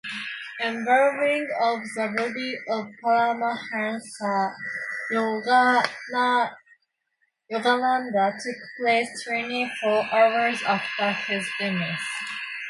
Embalming of the body of Paramhansa Yogananda took place twenty-four hours after his demise.